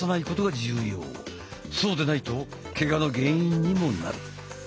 そうでないとケガの原因にもなる。